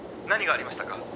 何がありましたか？」